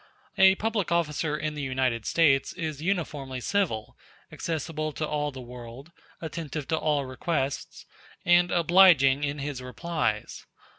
A public officer in the United States is uniformly civil, accessible to all the world, attentive to all requests, and obliging in his replies.